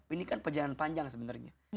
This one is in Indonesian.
ini kan perjalanan panjang sebenarnya